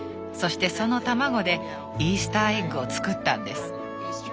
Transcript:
そしてその卵でイースターエッグを作ったんです。